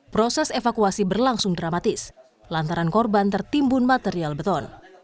proses evakuasi berlangsung dramatis lantaran korban tertimbun material beton